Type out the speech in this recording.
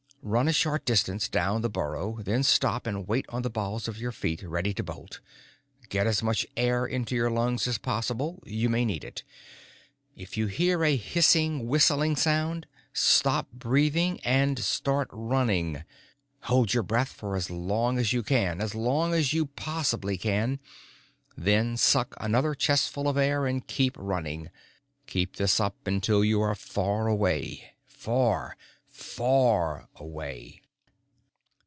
_Run a short distance down the burrow. Then stop and wait on the balls of your feet, ready to bolt. Get as much air into your lungs as possible. You may need it. If you hear a hissing, whistling sound, stop breathing and start running. Hold your breath for as long as you can as long as you possibly can then suck another chestful of air and keep running. Keep this up until you are far away. Far, far away.